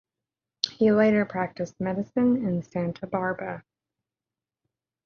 He later practiced medicine in Santa Barbara.